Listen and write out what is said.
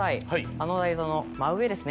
あの台座の真上ですね。